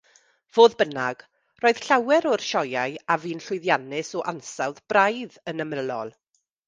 Fodd bynnag, roedd llawer o'r sioeau a fu'n llwyddiannus o ansawdd braidd yn ymylol.